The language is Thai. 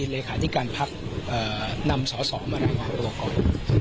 เลขาที่การพักเอ่อนำสอสอมารายงานตัวละก่อน